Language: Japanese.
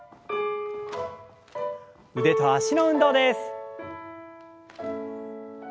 腕と脚の運動です。